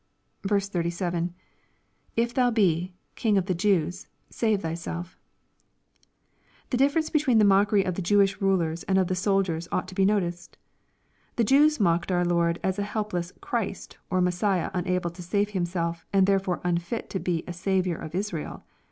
|5f. {jy ifi, ou he,..Emg of the Jews...save thyself.] The difference betv^eeu tfce mockery of the Jewish rulers and of the soldiers jought to be noticed. The Jews mocked our Lord as a helpless f.VChrist^'' QF Afessiah unable to save Himself, and therefore unfit to be a Saviour of Israel.